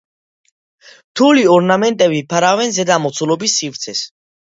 რთული ორნამენტები ფარავენ ზედა მოცულობის სივრცეს.